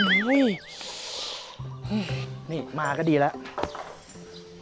นี่มาก็ดีแล้ว